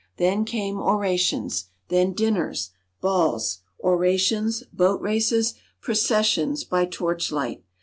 Then came orations, then dinners, balls, orations, boat races, processions by torch light.